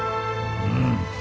うん。